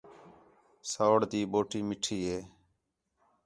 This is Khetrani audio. سَوڑ تی بوٹی مِٹّھی ہِے